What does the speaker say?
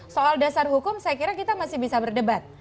soal dasar hukum saya kira kita masih bisa berdebat